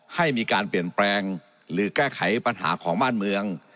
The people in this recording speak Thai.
ให้มีการเปลี่ยนแปลงหรือแก้ไขปัญหาของบ้านเมือง